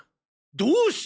どうして！？